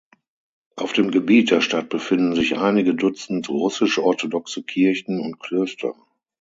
Auf dem Gebiet der Stadt befinden sich einige Dutzend russisch-orthodoxe Kirchen und Klöster.